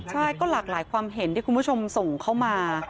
ใช่ก็หลากหลายความเห็นที่คุณผู้ชมส่งเข้ามา